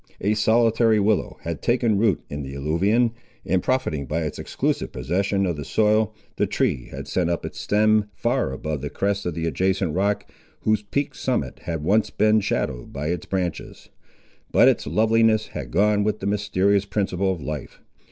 A solitary willow had taken root in the alluvion, and profiting by its exclusive possession of the soil, the tree had sent up its stem far above the crest of the adjacent rock, whose peaked summit had once been shadowed by its branches. But its loveliness had gone with the mysterious principle of life.